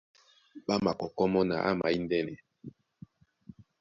Ɓá makɔkɔ́ mɔ́ na ama índɛ́nɛ.